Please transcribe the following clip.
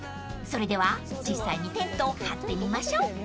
［それでは実際にテントを張ってみましょう］